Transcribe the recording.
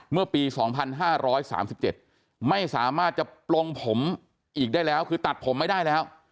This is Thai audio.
เมื่อปี๒๕๓๗ไม่สามารถจะปลงผมอีกได้แล้วคือตัดผมไม่ได้แล้ว